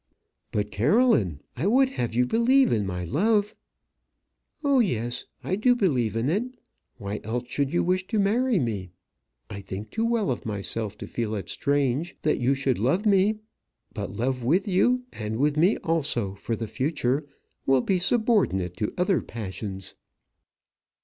"But, Caroline, I would have you believe in my love." "Oh, yes; I do believe in it. Why else should you wish to marry me? I think too well of myself to feel it strange that you should love me. But love with you, and with me also for the future, will be subordinate to other passions."